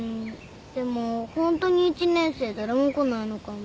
でもホントに１年生誰も来ないのかな。